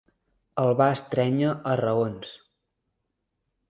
El va estrènyer a raons.